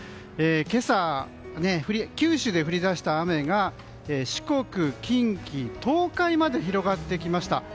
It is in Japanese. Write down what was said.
今朝、九州で降り出した雨が四国、近畿、東海まで広がってきました。